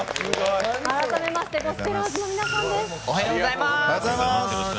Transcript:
改めましてゴスペラーズの皆さんです。